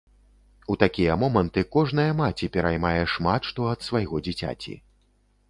У такія моманты кожная маці пераймае шмат што ад свайго дзіцяці.